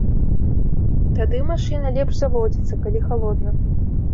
Тады машына лепш заводзіцца, калі халодна.